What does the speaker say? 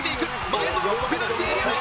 前園ペナルティエリアだ。